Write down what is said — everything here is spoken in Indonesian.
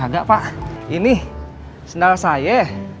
ada pak ini sendal saya